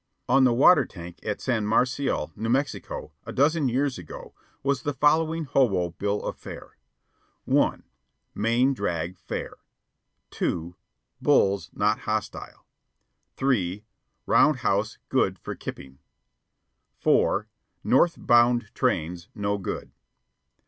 On the water tank at San Marcial, New Mexico, a dozen years ago, was the following hobo bill of fare: (1) Main drag fair. (2) Bulls not hostile. (3) Round house good for kipping. (4) North bound trains no good.